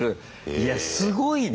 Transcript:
いやすごいね！